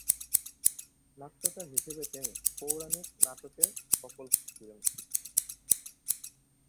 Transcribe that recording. নাট্যকার হিসাবে তিনি পৌরানিক নাটকে সফল ছিলেন।